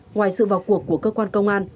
ngoài sự vào cuộc của cơ quan công an